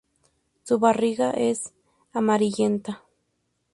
Su barriga es amarillenta.